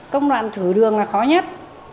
công đoạn thử đường là khó nhất